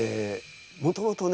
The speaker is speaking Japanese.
もともとね